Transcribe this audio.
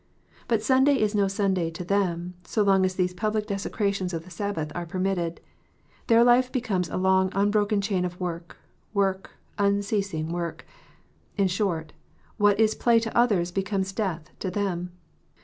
But Sunday is no Sunday to them, so long as these public desecra tions of the Sabbath are permitted. Their life becomes a long unbroken chain of work, work, unceasing work : in short, what is play to others becomes death to them.